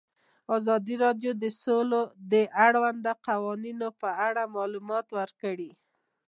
ازادي راډیو د سوله د اړونده قوانینو په اړه معلومات ورکړي.